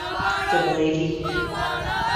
قبائلی